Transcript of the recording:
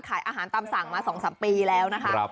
ขายอาหารตามสั่งมา๒๓ปีแล้วนะคะ